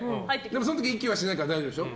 その時は息はしないから大丈夫でしょ。